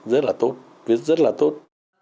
rất là tốt rất là tốt